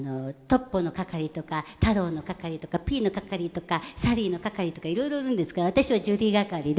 トッポの係とかタローの係とかピーの係とかサリーの係とか色々いるんですが私はジュリー係で。